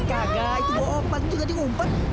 kagah itu bopan juga di umpan